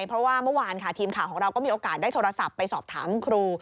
เพราะว่าเมื่อวานค่ะทีมข่าวของเราก็มีโอกาสได้โทรศัพท์ไปสอบถามครู